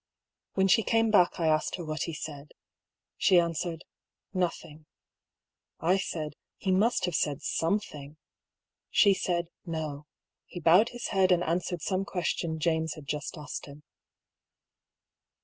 When she came back I asked her what he said. She answered, " No thing." I said :" He must have said something.''^ Shesaid :" N"o. He bowed his head, and answered some question James had just asked him."